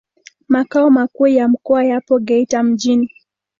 Makao makuu ya mkoa yapo Geita mjini.